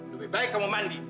lebih baik kamu mandi